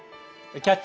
「キャッチ！